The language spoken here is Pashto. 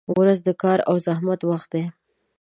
• ورځ د کار او زحمت وخت دی.